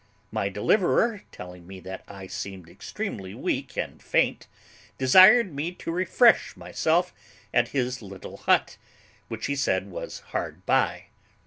My deliverer, telling me that I seemed extremely weak and faint, desired me to refresh myself at his little hut, which, he said, was hard by.